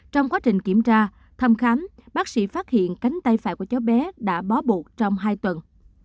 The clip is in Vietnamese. trong quá trình kiểm tra thăm khám bác sĩ phát hiện cánh tay phải của cháu bé đã bó buộc trong hai tuần